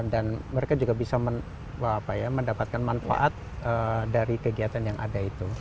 dan mereka juga bisa mendapatkan manfaat dari kegiatan yang ada itu